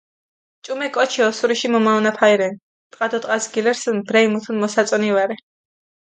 ჭუმე კოჩი ოსურიში მჷმაჸონაფალი რენ, ტყა დო ტყას გილურსჷნ, ბრელი მუთუნ მოსაწონი ვარე.